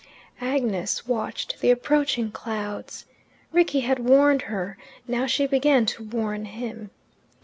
Agnes watched the approaching clouds. Rickie had warned her; now she began to warn him.